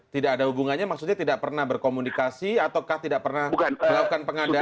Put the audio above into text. tidak ada hubungannya maksudnya tidak pernah berkomunikasi ataukah tidak pernah melakukan pengadaan